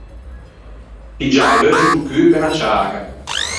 Piggiâ l’euggio do cû pe unna ciaga.